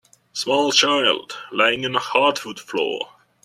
Small child laying on a hardwood floor.